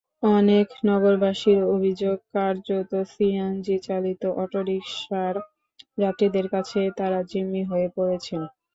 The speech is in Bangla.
অনেক নগরবাসীর অভিযোগ, কার্যত সিএনজিচালিত অটোরিকশার যাত্রীদের কাছে তাঁরা জিম্মি হয়ে পড়েছেন।